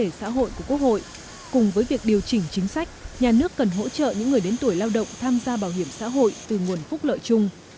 kinh tế xã hội của quốc hội cùng với việc điều chỉnh chính sách nhà nước cần hỗ trợ những người đến tuổi lao động tham gia bảo hiểm xã hội từ nguồn phúc lợi chung